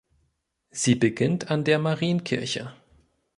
Sie beginnt an der Marienkirche.